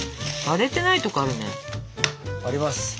割れていないとこあるね。あります。